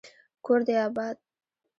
کور دي اباد